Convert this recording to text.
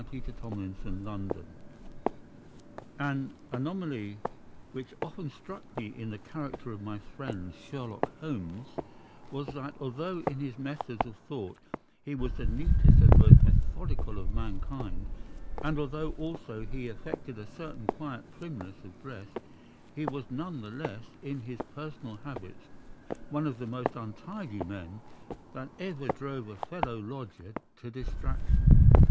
The Musgrave Ritual An anomaly which often struck me in the character of my friend Sherlock Holmes was that, although in his methods of thought he was the neatest and most methodical of mankind, and although also he affected a certain quiet primness of dress, he was none the less in his personal habits one of the most untidy men that ever drove a fellow lodger to distraction.